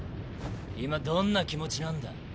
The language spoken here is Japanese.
今どんな気持ちなんだ？